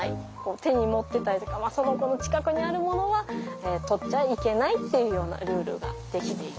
手に持ってたりとかその子の近くにあるものは取っちゃいけないっていうようなルールが出来ています。